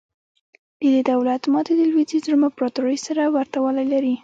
د دې دولت ماتې د لوېدیځ روم امپراتورۍ سره ورته والی لري.